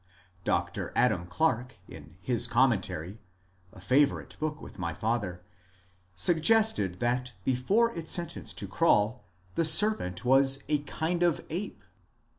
Dr. Adam Clarke in his Commentary, a favourite book with my father, suggested that before its sentence to crawl the serpent was a kind of ape.